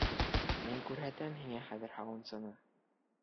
Мин күрһәтәм һиңә хәҙер һауынсыны!